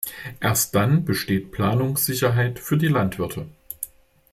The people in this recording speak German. Erst dann besteht Planungssicherheit für die Landwirte.